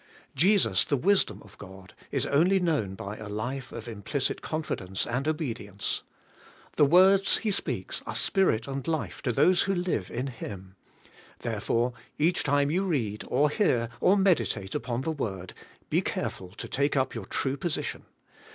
Jesus, the wisdom of God, is only known by a life of implicit confidence and obedience. The words He speaks are spirit and life to those tvho live in Him, Therefore, each time you read, or hear, or meditate upon the Word, be careful to take up your true posi tion.